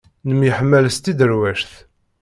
Nemyeḥmal s tidderwect.